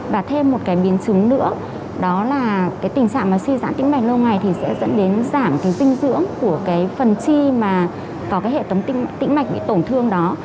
và thêm một biến chứng nữa đó là tình trạng suy giãn tĩnh mạch lâu ngày sẽ dẫn đến giảm dinh dưỡng của phần chi mà có hệ thống tĩnh mạch bị tổn thương đó